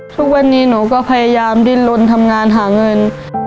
ทุกวันนี้หนูก็พยายามดินลนทำงานหาเงิน